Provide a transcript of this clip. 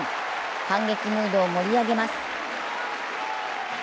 反撃ムードを盛り上げます。